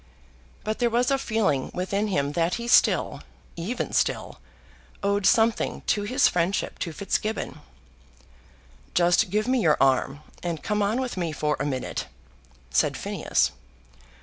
But there was a feeling within him that he still, even still, owed something to his friendship to Fitzgibbon. "Just give me your arm, and come on with me for a minute," said Phineas.